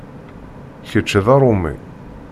Kečč d aṛumi.